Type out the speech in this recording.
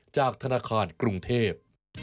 จากธนาคารกรุงเทพ